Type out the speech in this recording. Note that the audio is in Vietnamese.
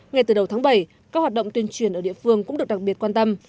ngay từ đầu tháng bảy các hoạt động tuyên truyền ở địa phương cũng được đặc biệt quan tâm